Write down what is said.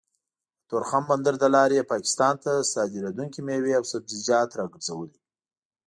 د تورخم بندر له لارې يې پاکستان ته صادرېدونکې مېوې او سبزيجات راګرځولي